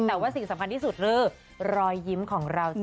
แต่ว่าสิ่งสำคัญที่สุดคือรอยยิ้มของเราจริง